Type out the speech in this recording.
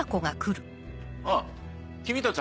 あっ君たち